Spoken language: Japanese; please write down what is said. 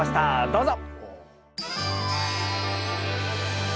どうぞ！